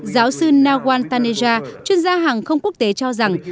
giáo sư nawal taneja chuyên gia hàng không quốc tế cho rằng